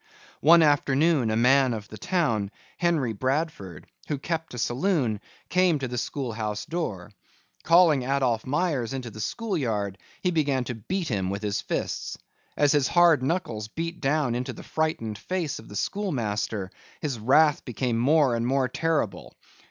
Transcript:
One afternoon a man of the town, Henry Bradford, who kept a saloon, came to the schoolhouse door. Calling Adolph Myers into the school yard he began to beat him with his fists. As his hard knuckles beat down into the frightened face of the school master, his wrath became more and more terrible.